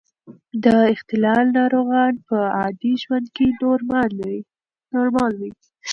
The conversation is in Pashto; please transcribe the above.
د اختلال ناروغان په عادي ژوند کې نورمال وي.